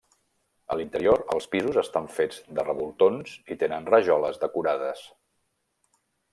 A l’interior, els pisos estan fets de revoltons i tenen rajoles decorades.